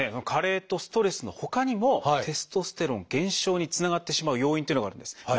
加齢とストレスのほかにもテストステロン減少につながってしまう要因っていうのがあるんです。